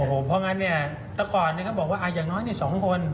โอ้โหเพราะงั้นเนี่ยแต่ก่อนเนี่ยเขาบอกว่าอย่างน้อยเนี่ย๒คน